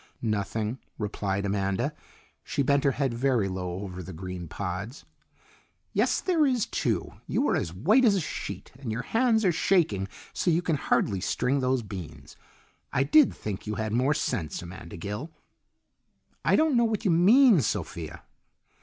"Nothing," replied Amanda. She bent her head very low over the green pods. "Yes, there is, too! You are as white as a sheet, and your hands are shaking so you can hardly string those beans. I did think you had more sense, Amanda Gill." "I don't know what you mean, Sophia."